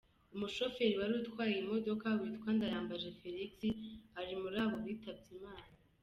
Umushoferi wari utwaye iyi modoka witwa Ndayambaje Felix ari muri abo bitabye Imana.